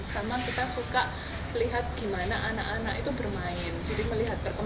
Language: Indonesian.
sama kita suka lihat gimana anak anak itu bermain